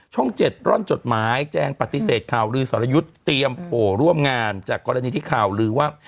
ช่องเจ็ดร่อนจดหมายแจ้งปฏิเสธข่าวรือสอรยุทธ์เตรียมโหร่งงานจากกรณีที่ข่าวรือว่า